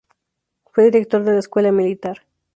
Fue director de la Escuela Militar.